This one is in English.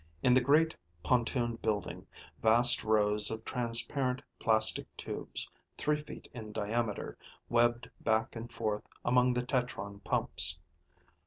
In the great pontooned building, vast rows of transparent plastic tubes, three feet in diameter, webbed back and forth among the tetron pumps.